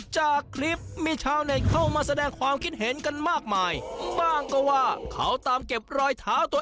จากคลิปมีชาวแน็ตเข้ามาแสดงความคิดเห็นกันมากมาย